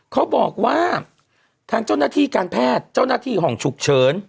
เขาบอกว่าทางเจ้าหน้าที่การแพทย์เจ้าหน้าที่ห้องฉุกเฉิน